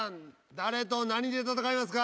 誰と何で戦いますか？